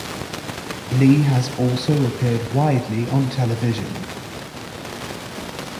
Lee has also appeared widely on television.